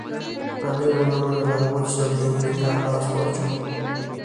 امیر ونه منله او وچ سرزوری ته لاس واچاوه.